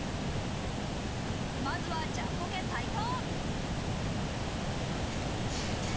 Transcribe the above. まずはジャンポケ・斉藤。